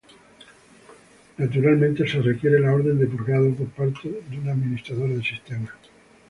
Naturalmente, se requiere la orden de "purgado" por parte de un administrador de sistemas.